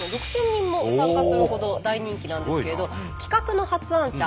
６，０００人も参加するほど大人気なんですけれど企画の発案者